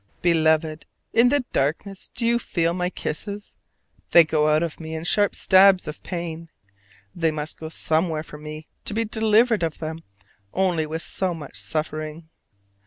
Beloved, in the darkness do you feel my kisses? They go out of me in sharp stabs of pain: they must go somewhere for me to be delivered of them only with so much suffering.